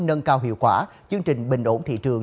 nâng cao hiệu quả chương trình bình ổn thị trường